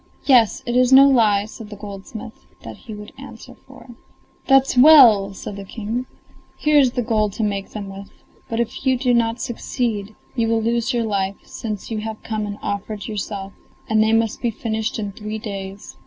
"Yes, it is no lie," said the goldsmith; that he would answer for. "That's well!" said the King. "Here is the gold to make them with; but if you do not succeed you will lose your life, since you have come and offered yourself, and they must be finished in three days."